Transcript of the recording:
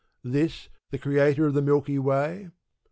This the Creator of the Milky Way?